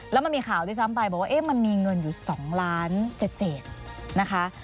แล้วมันมีข่าวด้วยซ้ำไปบอกว่ามันมีเงินอยู่๒ล้านเศษนะคะ